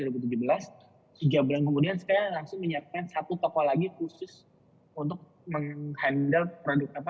tiga bulan kemudian saya langsung menyiapkan satu toko lagi khusus untuk menghandle produk apa